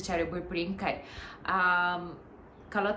dan untuk mengetahui perkembangan saya akan menunjukkan di video ini